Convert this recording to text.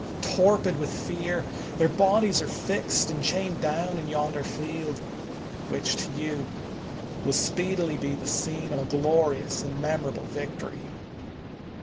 Torpid with fear, their bodies are fixed and chained down in yonder field, which to you will speedily be the scene of a glorious and memorable victory.